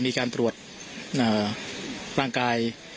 มีการตรวจร่างกาย